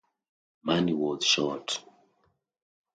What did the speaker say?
Money was short.